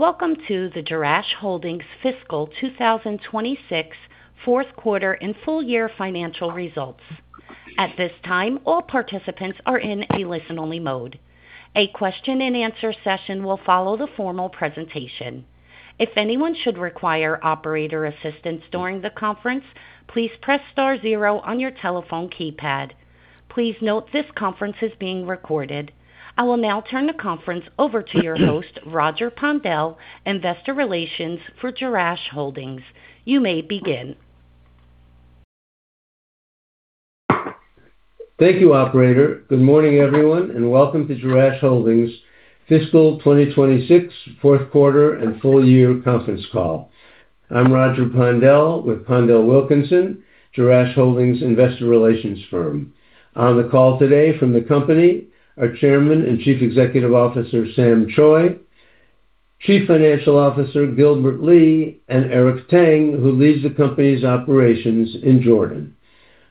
Welcome to the Jerash Holdings Fiscal 2026 fourth quarter and full year financial results. At this time, all participants are in a listen-only mode. A question and answer session will follow the formal presentation. If anyone should require operator assistance during the conference, please press star zero on your telephone keypad. Please note this conference is being recorded. I will now turn the conference over to your host, Roger Pondel, Investor Relations for Jerash Holdings. You may begin. Thank you, operator. Good morning, everyone, welcome to Jerash Holdings' Fiscal 2026 fourth quarter and full year conference call. I'm Roger Pondel with PondelWilkinson, Jerash Holdings' investor relations firm. On the call today from the company, our Chairman and Chief Executive Officer, Sam Choi, Chief Financial Officer, Gilbert Lee, and Eric Tang, who leads the company's operations in Jordan.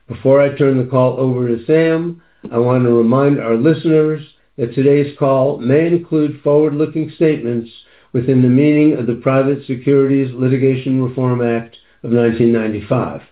Before I turn the call over to Sam, I want to remind our listeners that today's call may include forward-looking statements within the meaning of the Private Securities Litigation Reform Act of 1995.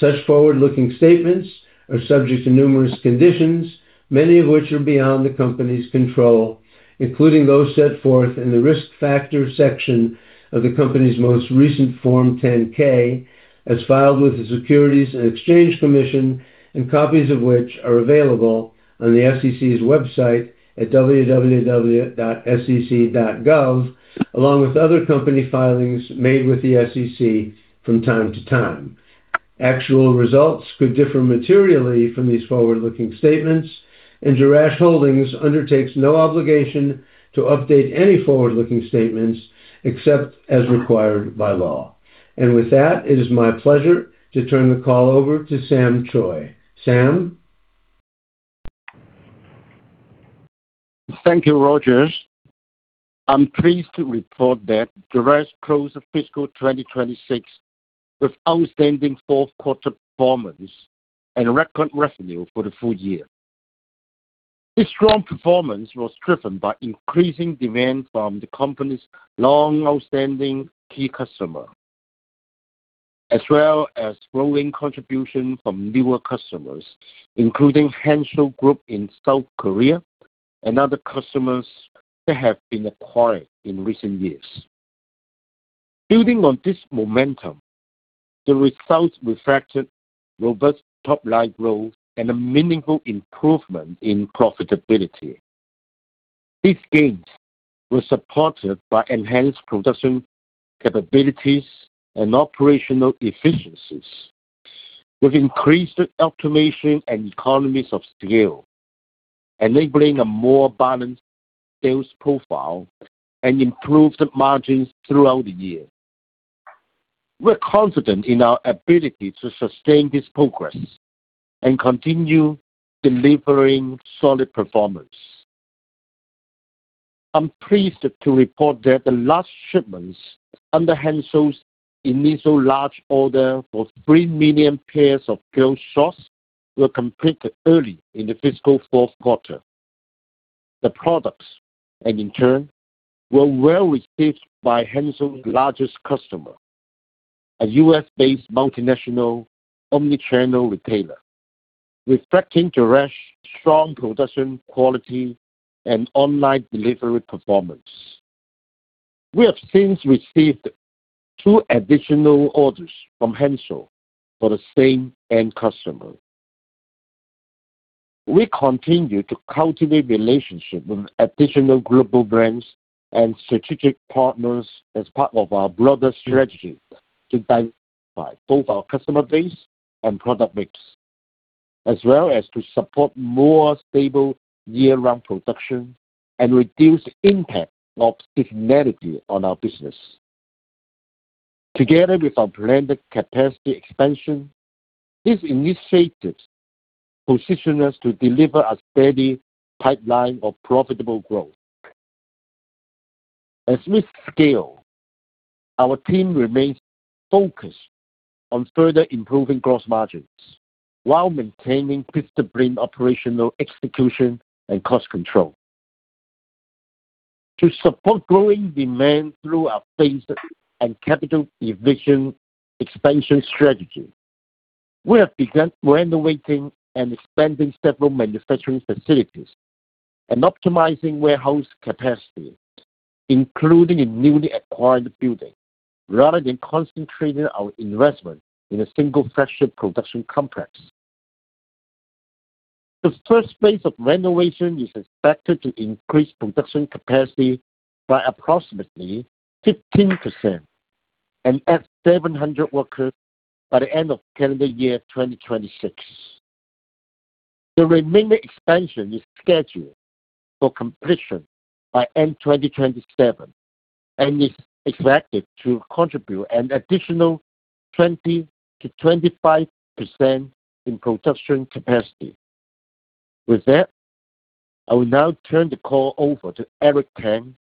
Such forward-looking statements are subject to numerous conditions, many of which are beyond the company's control, including those set forth in the Risk Factors section of the company's most recent Form 10-K as filed with the Securities and Exchange Commission, copies of which are available on the SEC's website at www.sec.gov, along with other company filings made with the SEC from time to time. Actual results could differ materially from these forward-looking statements, Jerash Holdings undertakes no obligation to update any forward-looking statements except as required by law. With that, it is my pleasure to turn the call over to Sam Choi. Sam? Thank you, Roger. I'm pleased to report that Jerash closed the fiscal 2026 with outstanding fourth-quarter performance and record revenue for the full year. This strong performance was driven by increasing demand from the company's long-outstanding key customer, as well as growing contribution from newer customers, including Hansol Group in South Korea and other customers that have been acquired in recent years. Building on this momentum, the results reflected robust top-line growth and a meaningful improvement in profitability. These gains were supported by enhanced production capabilities and operational efficiencies, with increased automation and economies of scale, enabling a more balanced sales profile and improved margins throughout the year. We're confident in our ability to sustain this progress and continue delivering solid performance. I'm pleased to report that the last shipments under Hansol's initial large order for 3 million pairs of girls socks were completed early in the fiscal fourth quarter. The products, and in turn, were well-received by Hansol's largest customer, a U.S.-based multinational omni-channel retailer, reflecting Jerash's strong production quality and on-time delivery performance. We have since received two additional orders from Hansol for the same end customer. We continue to cultivate relationships with additional global brands and strategic partners as part of our broader strategy to diversify both our customer base and product mix, as well as to support more stable year-round production and reduce the impact of seasonality on our business. Together with our planned capacity expansion, these initiatives position us to deliver a steady pipeline of profitable growth. As we scale, our team remains focused on further improving gross margins while maintaining disciplined operational execution and cost control. To support growing demand through our phased and capital-efficient expansion strategy, we have begun renovating and expanding several manufacturing facilities and optimizing warehouse capacity, including a newly acquired building, rather than concentrating our investment in a single fractured production complex. The first phase of renovation is expected to increase production capacity by approximately 15% and add 700 workers by the end of calendar year 2026. The remaining expansion is scheduled for completion by end 2027 and is expected to contribute an additional 20%-25% in production capacity. I will now turn the call over to Eric Tang,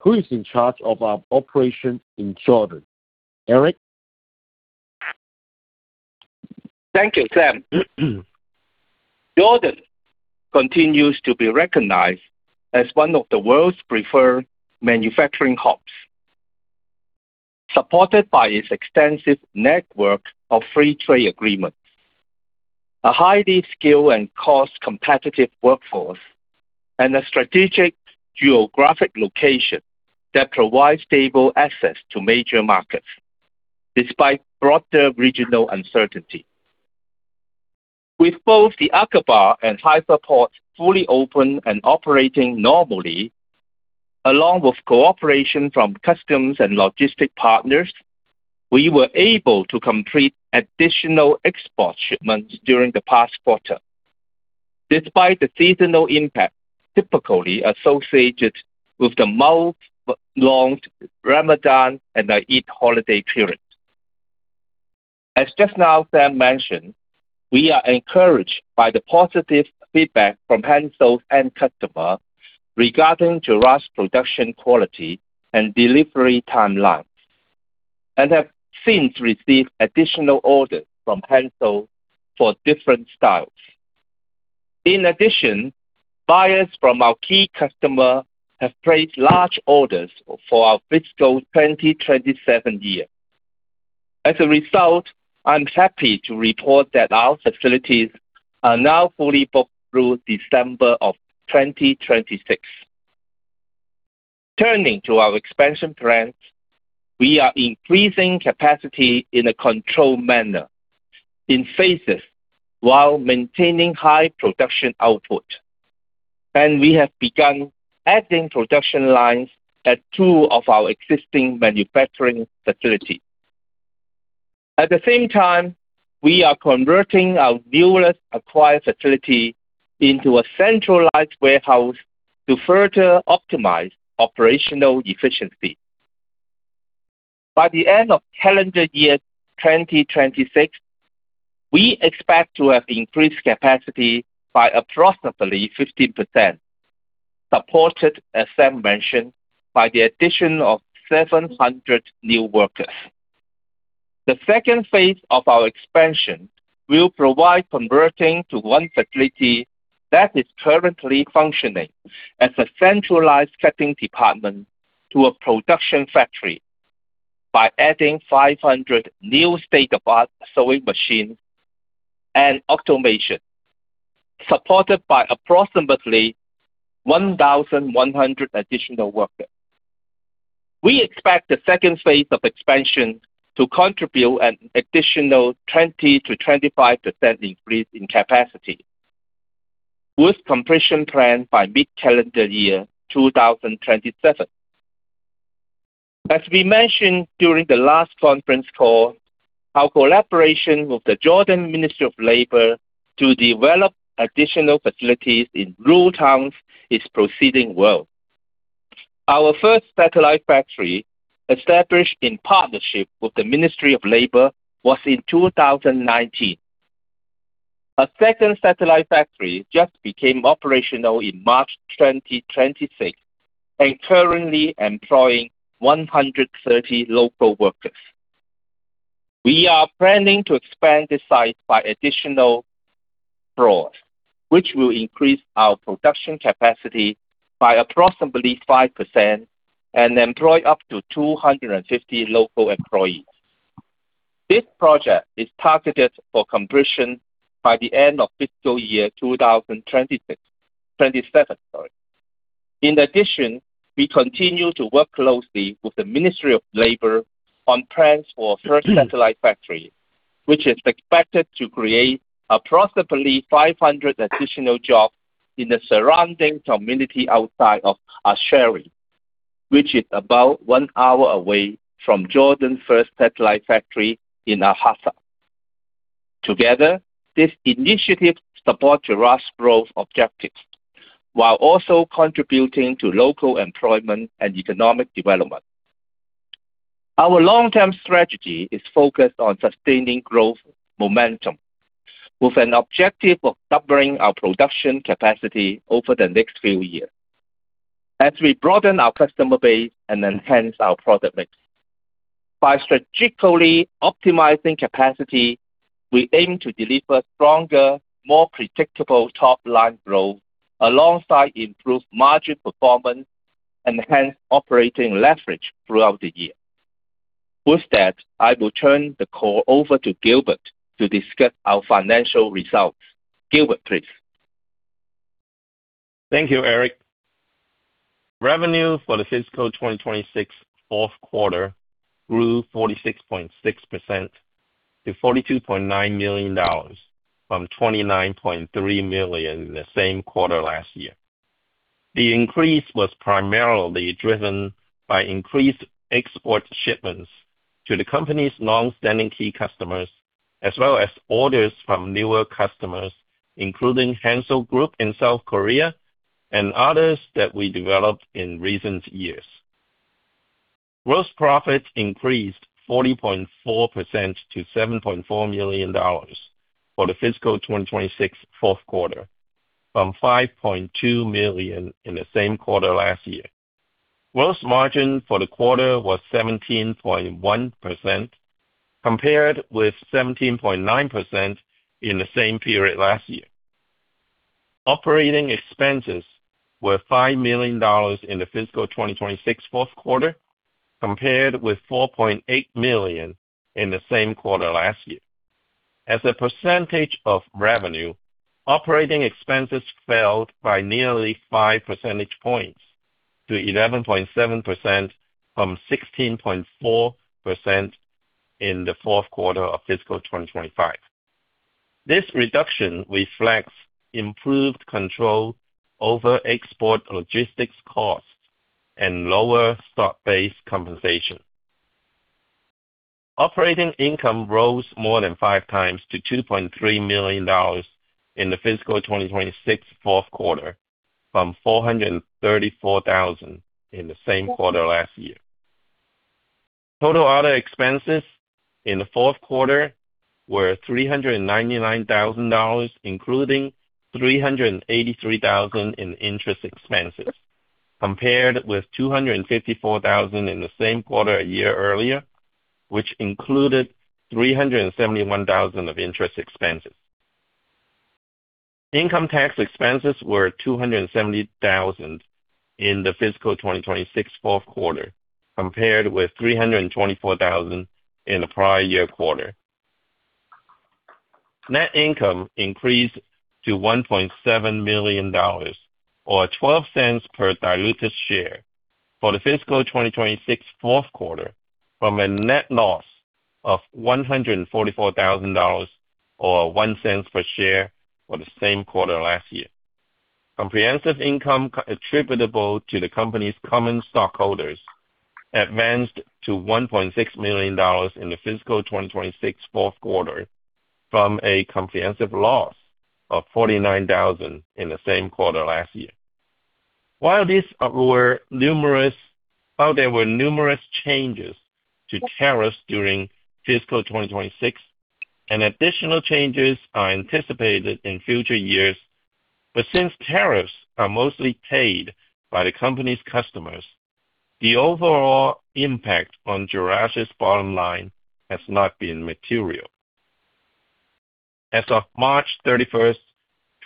who is in charge of our operations in Jordan. Eric? Thank you, Sam. Jordan continues to be recognized as one of the world's preferred manufacturing hubs, supported by its extensive network of free trade agreements, a highly skilled and cost-competitive workforce, and a strategic geographic location that provides stable access to major markets despite broader regional uncertainty. With both the Aqaba and Haifa ports fully open and operating normally, along with cooperation from customs and logistic partners, we were able to complete additional export shipments during the past quarter despite the seasonal impact typically associated with the month-long Ramadan and Eid holiday period. As just now Sam mentioned, we are encouraged by the positive feedback from Hansol end customer regarding Jerash production quality and delivery timelines and have since received additional orders from Hansol for different styles. Buyers from our key customer have placed large orders for our fiscal 2027 year. I'm happy to report that our facilities are now fully booked through December of 2026. Turning to our expansion plans, we are increasing capacity in a controlled manner, in phases, while maintaining high production output. We have begun adding production lines at two of our existing manufacturing facilities. At the same time, we are converting our newly acquired facility into a centralized warehouse to further optimize operational efficiency. By the end of calendar year 2026, we expect to have increased capacity by approximately 15%, supported, as Sam mentioned, by the addition of 700 new workers. The second phase of our expansion will provide converting to one facility that is currently functioning as a centralized cutting department to a production factory by adding 500 new state-of-the-art sewing machines and automation, supported by approximately 1,100 additional workers. We expect the second phase of expansion to contribute an additional 20%-25% increase in capacity, with completion planned by mid-calendar year 2027. As we mentioned during the last conference call, our collaboration with the Jordan Ministry of Labour to develop additional facilities in rural towns is proceeding well. Our first satellite factory, established in partnership with the Ministry of Labour, was in 2019. A second satellite factory just became operational in March 2026 and currently employing 130 local workers. We are planning to expand this site by additional floors, which will increase our production capacity by approximately 5% and employ up to 250 local employees. This project is targeted for completion by the end of fiscal year 2027. We continue to work closely with the Ministry of Labour on plans for a third satellite factory, which is expected to create approximately 500 additional jobs in the surrounding community outside of Ash-Sharah, which is about one hour away from Jordan's first satellite factory in Al-Hasa. Together, this initiative supports Jerash's growth objectives while also contributing to local employment and economic development. Our long-term strategy is focused on sustaining growth momentum with an objective of doubling our production capacity over the next few years as we broaden our customer base and enhance our product mix. By strategically optimizing capacity, we aim to deliver stronger, more predictable top-line growth alongside improved margin performance, enhanced operating leverage throughout the year. With that, I will turn the call over to Gilbert to discuss our financial results. Gilbert, please. Thank you, Eric. Revenue for the fiscal 2026 fourth quarter grew 46.6% to $42.9 million from $29.3 million in the same quarter last year. The increase was primarily driven by increased export shipments to the company's longstanding key customers, as well as orders from newer customers, including Hansol Group in South Korea and others that we developed in recent years. Gross profit increased 40.4% to $7.4 million for the fiscal 2026 fourth quarter, from $5.2 million in the same quarter last year. Gross margin for the quarter was 17.1%, compared with 17.9% in the same period last year. Operating expenses were $5 million in the fiscal 2026 fourth quarter, compared with $4.8 million in the same quarter last year. As a percentage of revenue, operating expenses fell by nearly five percentage points to 11.7%, from 16.4% in the fourth quarter of fiscal 2025. This reduction reflects improved control over export logistics costs and lower stock-based compensation. Operating income rose more than five times to $2.3 million in the fiscal 2026 fourth quarter, from $434,000 in the same quarter last year. Total other expenses in the fourth quarter were $399,000, including $383,000 in interest expenses, compared with $254,000 in the same quarter a year earlier, which included $371,000 of interest expenses. Income tax expenses were $270,000 in the fiscal 2026 fourth quarter, compared with $324,000 in the prior year quarter. Net income increased to $1.7 million, or $0.12 per diluted share for the fiscal 2026 fourth quarter, from a net loss of $144,000, or $0.01 per share for the same quarter last year. Comprehensive income attributable to the company's common stockholders advanced to $1.6 million in the fiscal 2026 fourth quarter from a comprehensive loss of $49,000 in the same quarter last year. Since tariffs are mostly paid by the company's customers, the overall impact on Jerash's bottom line has not been material. As of March 31st,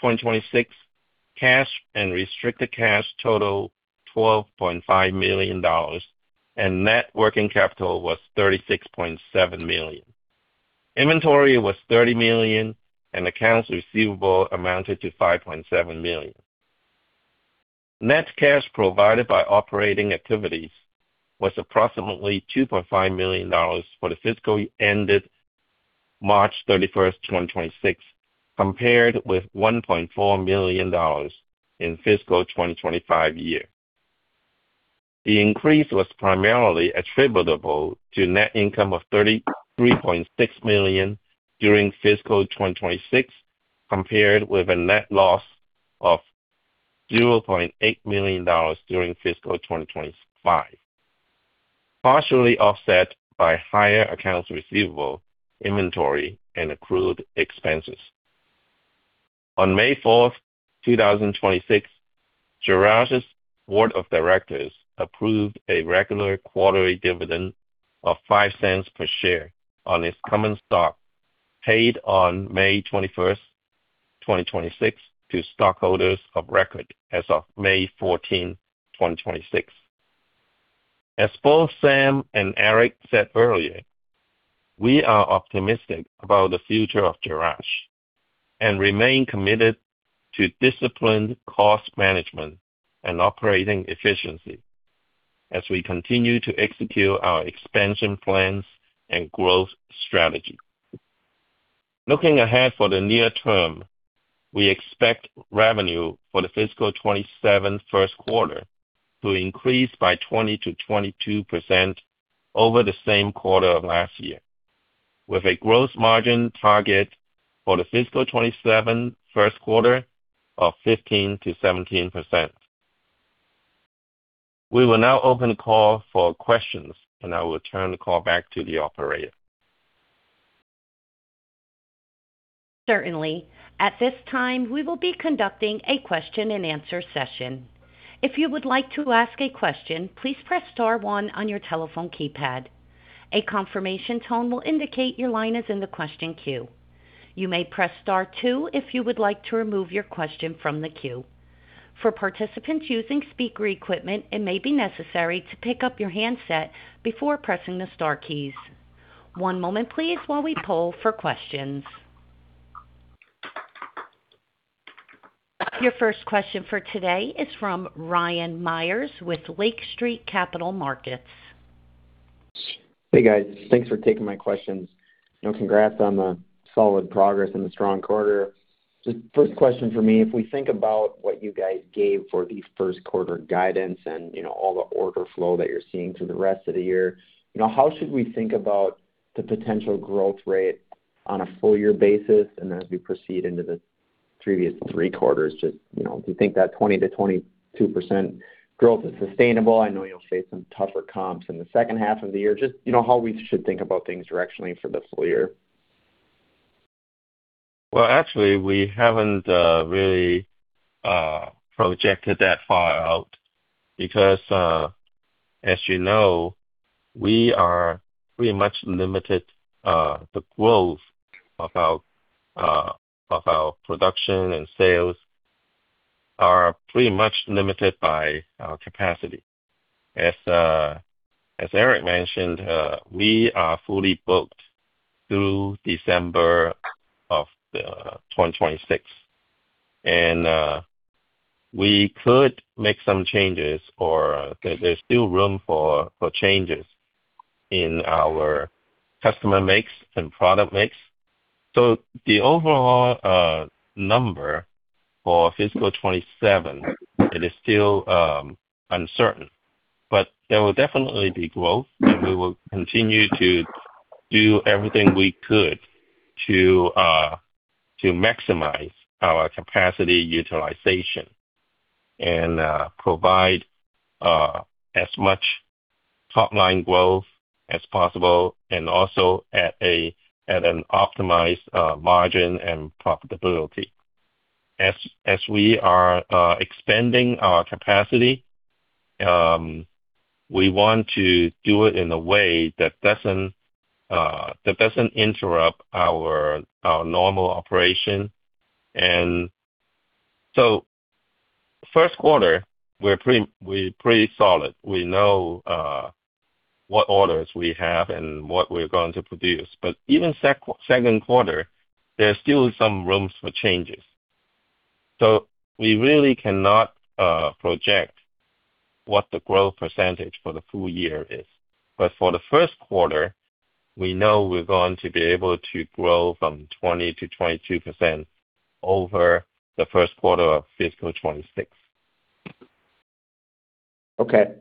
2026, cash and restricted cash total $12.5 million, and net working capital was $36.7 million. Inventory was $30 million, and accounts receivable amounted to $5.7 million. Net cash provided by operating activities was approximately $2.5 million for the fiscal ended March 31st, 2026, compared with $1.4 million in fiscal 2025 year. The increase was primarily attributable to net income of $3.6 million during fiscal 2026, compared with a net loss of $0.8 million during fiscal 2025, partially offset by higher accounts receivable, inventory, and accrued expenses. On May 4th, 2026, Jerash's board of directors approved a regular quarterly dividend of $0.05 per share on its common stock, paid on May 21st, 2026, to stockholders of record as of May 14, 2026. As both Sam and Eric said earlier, we are optimistic about the future of Jerash and remain committed to disciplined cost management and operating efficiency as we continue to execute our expansion plans and growth strategy. Looking ahead for the near term, we expect revenue for the fiscal 2027 first quarter to increase by 20%-22% over the same quarter of last year, with a gross margin target for the fiscal 2027 first quarter of 15%-17%. We will now open the call for questions. I will turn the call back to the operator. Certainly. At this time, we will be conducting a question and answer session. If you would like to ask a question, please press star one on your telephone keypad. A confirmation tone will indicate your line is in the question queue. You may press star two if you would like to remove your question from the queue. For participants using speaker equipment, it may be necessary to pick up your handset before pressing the star keys. One moment please while we poll for questions. Your first question for today is from Ryan Meyers with Lake Street Capital Markets. Hey, guys. Thanks for taking my questions. Congrats on the solid progress and the strong quarter. Just first question for me, if we think about what you guys gave for the first quarter guidance and all the order flow that you're seeing through the rest of the year, how should we think about the potential growth rate on a full-year basis? As we proceed into the previous three quarters, do you think that 20%-22% growth is sustainable? I know you'll face some tougher comps in the second half of the year. Just how we should think about things directionally for the full year? Well, actually, we haven't really projected that far out because, as you know, the growth of our production and sales are pretty much limited by our capacity. As Eric mentioned, we are fully booked through December of 2026, and we could make some changes, or there's still room for changes in our customer mix and product mix. The overall number for fiscal 2027, it is still uncertain. There will definitely be growth, and we will continue to do everything we could to maximize our capacity utilization and provide as much top-line growth as possible, and also at an optimized margin and profitability. As we are expanding our capacity, we want to do it in a way that doesn't interrupt our normal operation. First quarter, we're pretty solid. We know what orders we have and what we're going to produce. Even second quarter, there's still some rooms for changes. We really cannot project what the growth percentage for the full year is. For the first quarter, we know we're going to be able to grow from 20%-22% over the first quarter of fiscal 2026. Okay.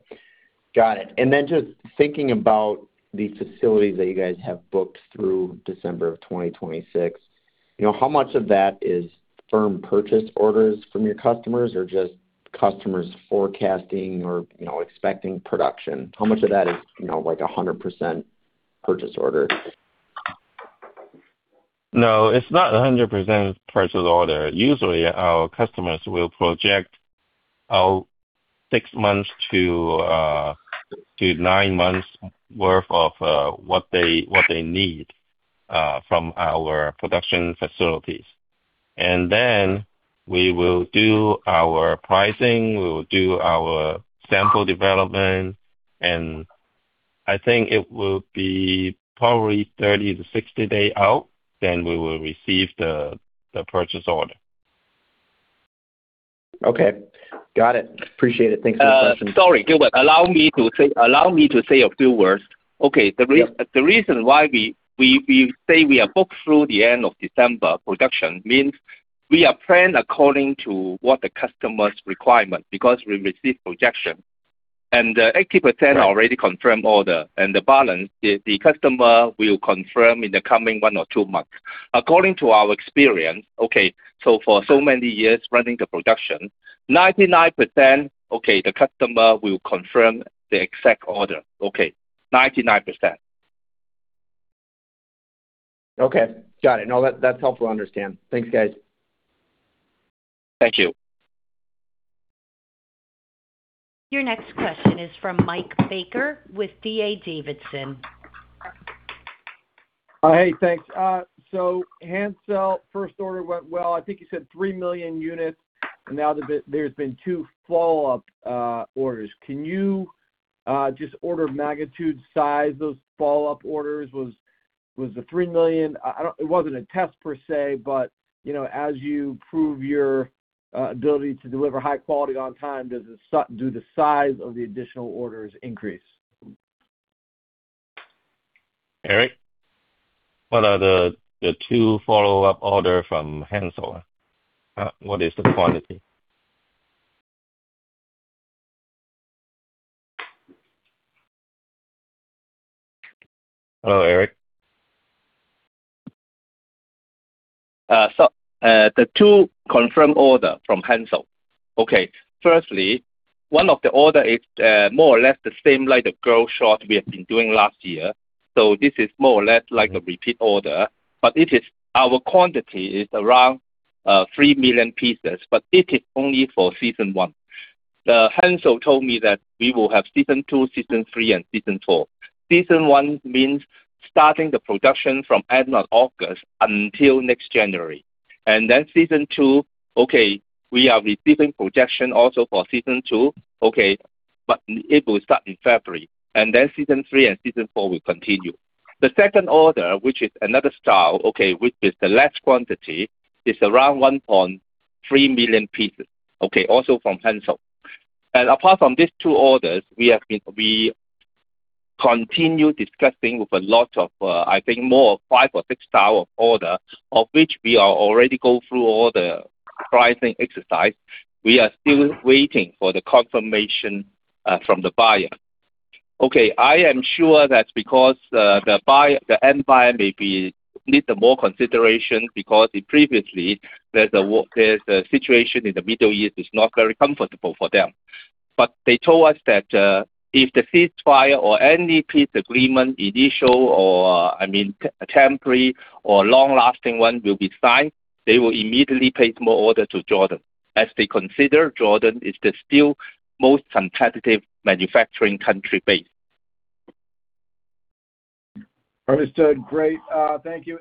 Got it. Just thinking about the facilities that you guys have booked through December of 2026, how much of that is firm purchase orders from your customers or just customers forecasting or expecting production? How much of that is 100% purchase order? No, it's not 100% purchase order. Usually, our customers will project out six months to nine months worth of what they need from our production facilities. We will do our pricing, we will do our sample development, and I think it will be probably 30 to 60 day out, then we will receive the purchase order. Okay. Got it. Appreciate it. Thanks for the question. Sorry, Gilbert. Allow me to say a few words. Okay. The reason why we say we are booked through the end of December, production means we are planning according to what the customer's requirement, because we receive projection, and 80% already confirmed order, and the balance, the customer will confirm in the coming one or two months. According to our experience, okay, so for so many years running the production, 99%, okay, the customer will confirm the exact order. Okay. 99%. Okay. Got it. No, that's helpful to understand. Thanks, guys. Thank you. Your next question is from Mike Baker with D.A. Davidson. Hey, thanks. Hansol first order went well. I think you said 3 million units, and now there's been two follow-up orders. Can you just order magnitude size those follow-up orders? Was the 3 million It wasn't a test per se, but as you prove your ability to deliver high quality on time, do the size of the additional orders increase? Eric, what are the two follow-up order from Hansol? What is the quantity? Hello, Eric. The two confirmed order from Hansol. Okay. Firstly, one of the order is more or less the same like the girl short we have been doing last year. This is more or less like a repeat order. Our quantity is around 3 million pieces, but it is only for season one. Hansol told me that we will have season two, season three, and season four. Season one means starting the production from end of August until next January. Then season two, okay, we are receiving projection also for season two, okay, but it will start in February. Then season three and season four will continue. The second order, which is another style, okay, which is the less quantity, is around 1.3 million pieces. Okay, also from Hansol. Apart from these two orders, we continue discussing with a lot of, I think, more of five or six style of order, of which we are already go through all the pricing exercise. We are still waiting for the confirmation from the buyer. Okay. I am sure that's because the end buyer maybe need more consideration because previously, there's a situation in the Middle East is not very comfortable for them. They told us that if the ceasefire or any peace agreement, initial or temporary or long-lasting one will be signed, they will immediately place more orders to Jordan, as they consider Jordan is still the most competitive manufacturing country base. Understood. Great. Thank you.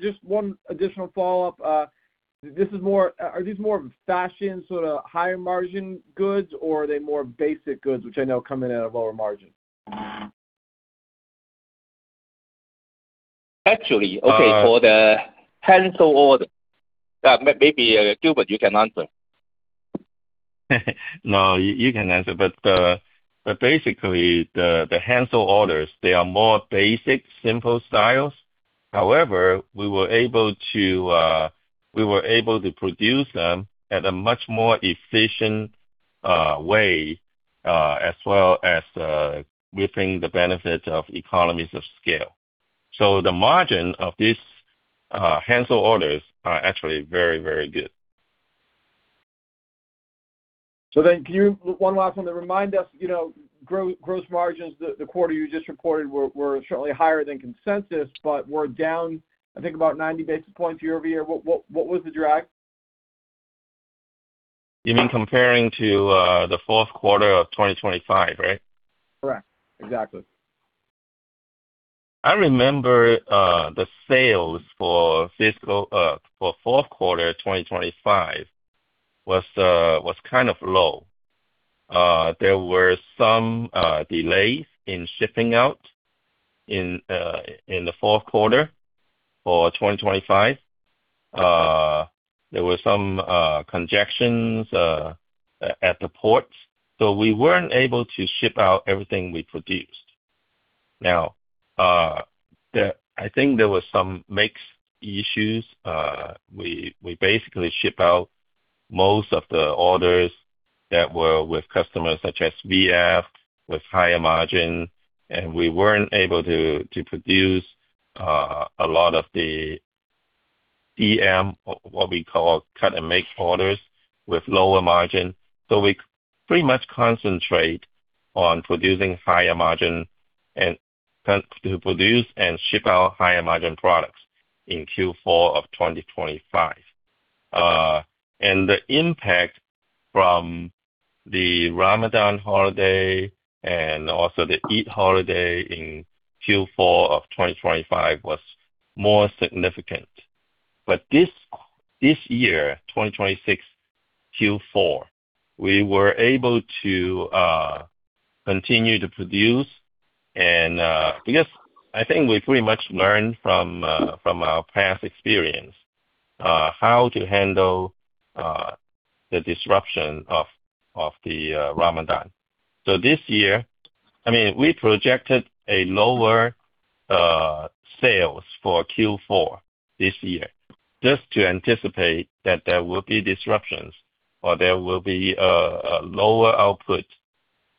Just one additional follow-up. Are these more fashion, sort of higher margin goods or are they more basic goods, which I know come in at a lower margin? Actually, okay, for the Hansol order. Maybe, Gilbert, you can answer. No, you can answer. Basically, the Hansol orders, they are more basic, simple styles. However, we were able to produce them at a much more efficient way, as well as reaping the benefits of economies of scale. The margin of these Hansol orders are actually very, very good. Can you, one last one, remind us gross margins, the quarter you just reported were certainly higher than consensus, but were down I think about 90 basis points year-over-year. What was the drag? You mean comparing to the fourth quarter of 2025, right? Correct. Exactly. I remember the sales for fourth quarter 2025 was kind of low. There were some delays in shipping out in the fourth quarter for 2025. There were some congestions at the ports. We weren't able to ship out everything we produced. I think there was some mix issues. We basically ship out most of the orders that were with customers such as VF with higher margin, and we weren't able to produce a lot of the CM, what we call cut and make orders with lower margin. We pretty much concentrate on producing higher margin and tend to produce and ship out higher margin products in Q4 of 2025. The impact from the Ramadan holiday and also the Eid holiday in Q4 of 2025 was more significant. This year, 2026 Q4, we were able to continue to produce and because I think we pretty much learned from our past experience how to handle the disruption of the Ramadan. This year, we projected a lower sales for Q4 this year, just to anticipate that there will be disruptions or there will be a lower output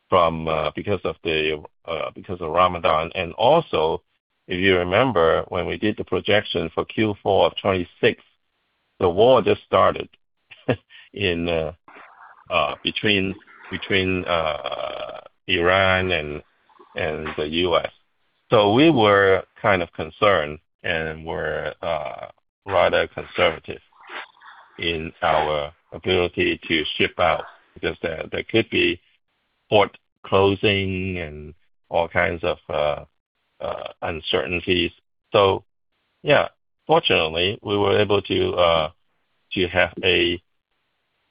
because of Ramadan. If you remember, when we did the projection for Q4 of 2026, the war just started between Iran and the U.S. We were kind of concerned and were rather conservative in our ability to ship out because there could be port closing and all kinds of uncertainties. Fortunately, we were able to have a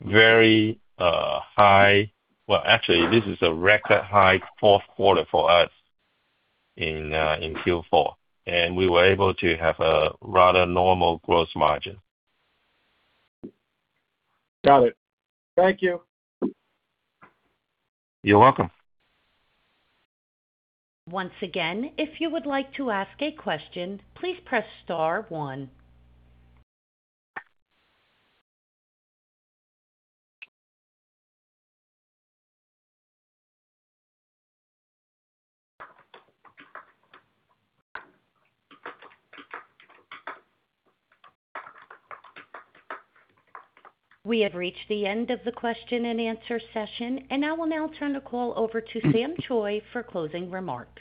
very high, well actually, this is a record high fourth quarter for us in Q4, and we were able to have a rather normal gross margin. Got it. Thank you. You're welcome. Once again, if you would like to ask a question, please press star one. We have reached the end of the question and answer session. I will now turn the call over to Sam Choi for closing remarks.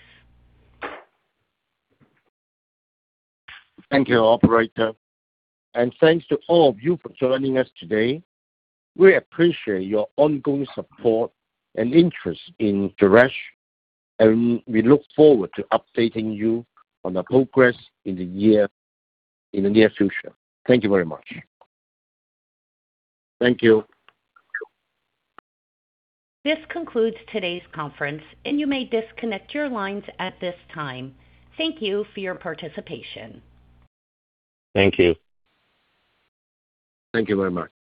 Thank you, operator. Thanks to all of you for joining us today. We appreciate your ongoing support and interest in Jerash. We look forward to updating you on our progress in the near future. Thank you very much. Thank you. This concludes today's conference, and you may disconnect your lines at this time. Thank you for your participation. Thank you. Thank you very much.